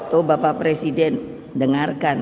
itu bapak presiden dengarkan